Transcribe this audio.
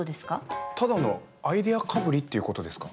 ただのアイデアかぶりっていうことですか？